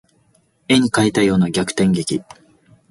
絵に描いたような逆転劇